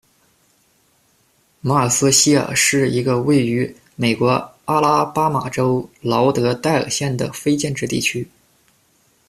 马尔斯希尔是一个位于美国阿拉巴马州劳德代尔县的非建制地区。